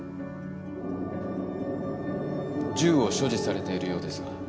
銃を所持されているようですが。